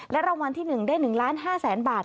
และรางวัลที่หนึ่งได้๑๕๐๐๐๐๐บาท